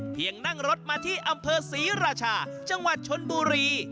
นั่งรถมาที่อำเภอศรีราชาจังหวัดชนบุรี